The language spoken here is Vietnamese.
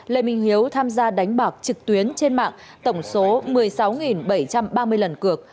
lê minh hiếu tham gia đánh bạc trực tuyến trên mạng tổng số một mươi sáu bảy trăm ba mươi lần cược